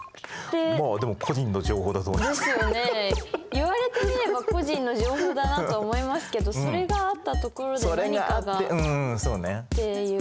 言われてみれば個人の情報だなとは思いますけどそれがあったところで何かっていう。